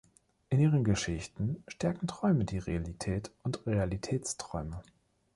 In ihren Geschichten stärken Träume die Realität und Realitätsträume.